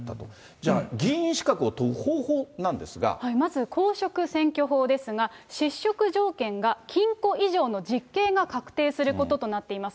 じゃあ、議員資格を問う方法なんまず、公職選挙法ですが、失職条件が禁錮以上の実刑が確定することとなっています。